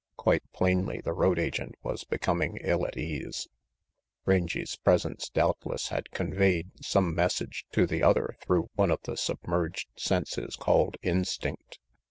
Quite plainly the road agent was becoming ill at ease. Rangy's presence doubtless had con veyed some message to the other through one of the submerged senses called instinct.